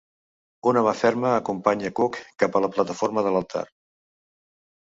Una mà ferma acompanya Cook cap a la plataforma de l'altar.